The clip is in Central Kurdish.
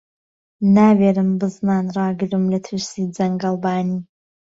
ناوێرم بزنان ڕاگرم له ترسی جهنگهڵبانی